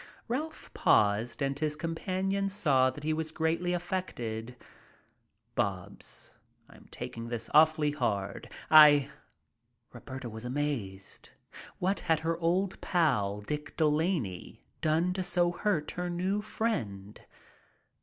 Ralph paused and his companion saw that he was greatly affected. "Bobs, I'm taking this awfully hard. I " Roberta was amazed. What had her old pal, Dick De Laney, done to so hurt her new friend?